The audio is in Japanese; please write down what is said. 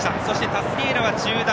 タスティエーラは中団。